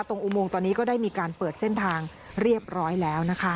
อุโมงตอนนี้ก็ได้มีการเปิดเส้นทางเรียบร้อยแล้วนะคะ